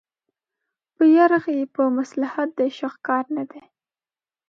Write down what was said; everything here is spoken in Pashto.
په يرغ په مصلحت د عشق کار نه دی